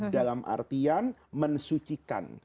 dalam artian mensucikan